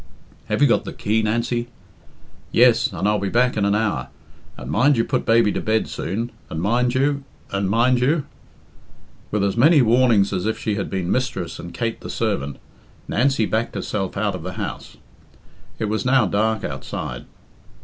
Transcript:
"Have you got the key, Nancy?" "Yes, and I'll be back in an hour. And mind you put baby to bed soon, and mind you and mind you " With as many warnings as if she had been mistress and Kate the servant, Nancy backed herself out of the house. It was now dark outside.